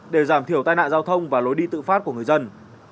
để giảm thiểu tai nạn giao thông và lối đi tự phát của người dân